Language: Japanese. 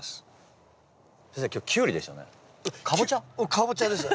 カボチャです。